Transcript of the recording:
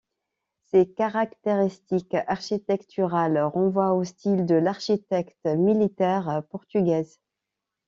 Ces caractéristiques architecturales renvoient au style de l'architecte militaire portugaise.